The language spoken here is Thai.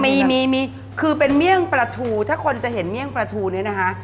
มีมีคือเป็นเมี่ยงปลาทูถ้าคนจะเห็นเมี่ยงปลาทูเนี่ยนะคะ